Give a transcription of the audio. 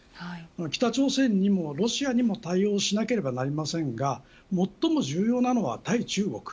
北朝鮮にもロシアにも対応しなければなりませんが最も重要なのは対中国。